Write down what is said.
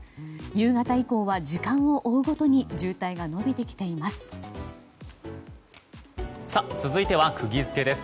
夕方以降は時間を追うごとに渋滞が延びてきています。